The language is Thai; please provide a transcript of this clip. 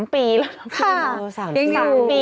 ๓ปีแล้ว